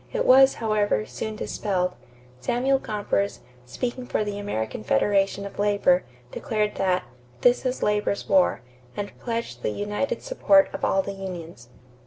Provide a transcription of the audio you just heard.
It was, however, soon dispelled. Samuel Gompers, speaking for the American Federation of Labor, declared that "this is labor's war," and pledged the united support of all the unions.